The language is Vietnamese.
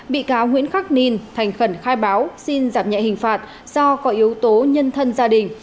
bị cáo nguyễn khắc ninh thành khẩn khai báo xin giảm nhẹ hình phạt do có yếu tố nhân thân gia đình